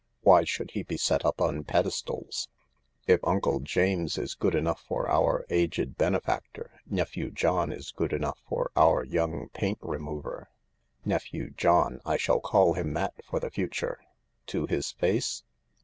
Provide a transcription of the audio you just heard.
Why should he be set up on pedestals ? If Uncle James is good enough for our aged benefactor, Nephew John is good enough for our young paint remover. Nephew John I I shall call him that for the future." "To his face?"